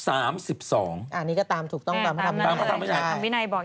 อันนี้ก็ตามถูกต้องตามพระธรรมดิก็ได้